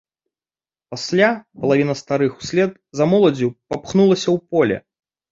Пасля палавіна старых услед за моладдзю папхнулася ў поле.